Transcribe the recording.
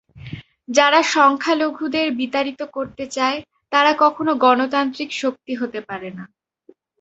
যারা সংখ্যালঘুদের বিতাড়িত করতে চায়, তারা কখনো গণতান্ত্রিক শক্তি হতে পারে না।